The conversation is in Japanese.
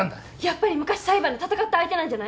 やっぱり昔裁判で戦った相手なんじゃない？